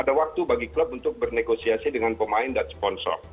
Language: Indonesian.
ada waktu bagi klub untuk bernegosiasi dengan pemain dan sponsor